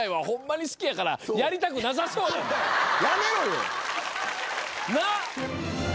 やめろよ。